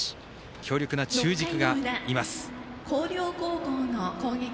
強力な中軸がいます。